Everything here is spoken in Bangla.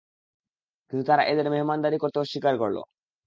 কিন্তু তারা এঁদের মেহমানদারী করতে অস্বীকার করল।